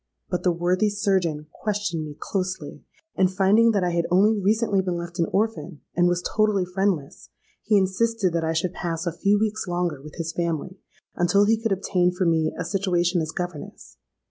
But the worthy surgeon questioned me closely; and finding that I had only recently been left an orphan, and was totally friendless, he insisted that I should pass a few weeks longer with his family, until he could obtain for me a situation as governess.